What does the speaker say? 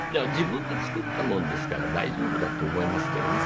自分で作ったものですから大丈夫だと思いますけれど。